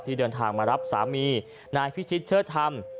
เดินทางมารับสามีนายพิชิตเชิดธรรม